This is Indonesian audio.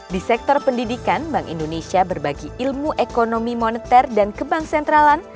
di sektor pendidikan bank indonesia berbagi ilmu ekonomi moneter dan ke bank sentralan